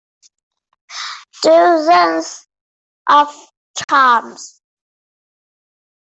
Dozens of times.